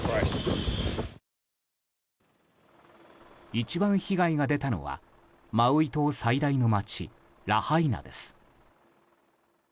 一番被害が出たのはマウイ島最大の街ラハイナです。